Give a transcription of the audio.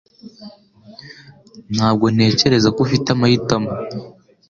Ntabwo ntekereza ko ufite amahitamo